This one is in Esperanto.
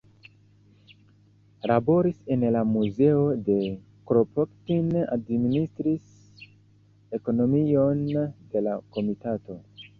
Laboris en la muzeo de Kropotkin, administris ekonomion de la komitato.